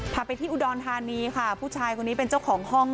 พาไปที่อุดรธานีค่ะผู้ชายคนนี้เป็นเจ้าของห้อง